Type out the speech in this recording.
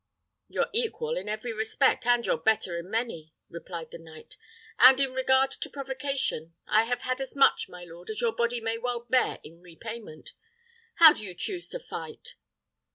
"Your equal in every respect, and your better in many," replied the knight. "And in regard to provocation, I have had as much, my lord, as your body may well bear in repayment. How do you choose to fight?"